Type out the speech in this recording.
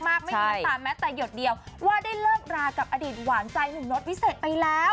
ไม่มีน้ำตาแม้แต่หยดเดียวว่าได้เลิกรากับอดีตหวานใจหนุ่มโน๊ตวิเศษไปแล้ว